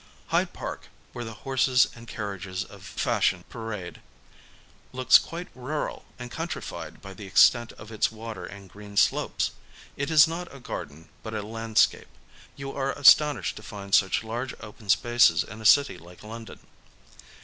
Hyde Park, where the horses and carriages of fashioa parade, looks quite rural and countrified by the extent of its water and green slopes. It is not a garden, but a land scape. You are astonished to find such lai^ge open spaces in a city like London.